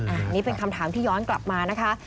อันนี้เป็นคำถามที่ย้อนกลับมานะคะ